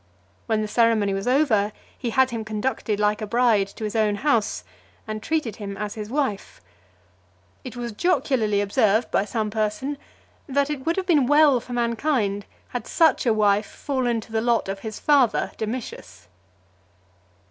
When the ceremony was over, he had him conducted like a bride to his own house, and treated him as his wife . It was jocularly observed by some person, "that it would have been well for mankind, had such a wife fallen to the lot of his father Domitius."